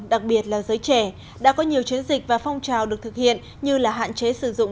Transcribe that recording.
đặc biệt là giới trẻ đã có nhiều chiến dịch và phong trào được thực hiện như là hạn chế sử dụng